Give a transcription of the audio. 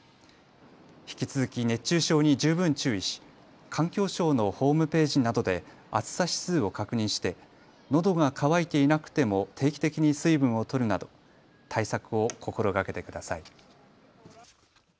引き続き熱中症に十分注意し環境省のホームページなどで暑さ指数を確認してのどが渇いていなくても定期的に水分をとるなど対策を心がけてください。